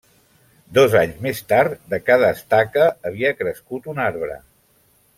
Dos anys més tard, de cada estaca havia crescut un arbre.